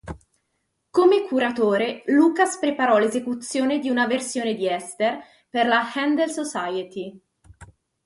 Come curatore Lucas preparò l'esecuzione di una versione di "Esther" per la Händel Society.